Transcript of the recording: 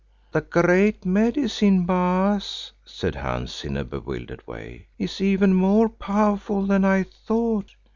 "The Great Medicine, Baas," said Hans in a bewildered way, "is even more powerful than I thought.